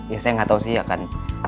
ya saya gak tau sih akan